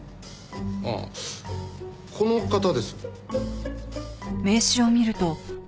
ああこの方です。